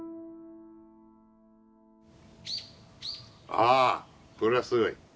ああこれはすごい。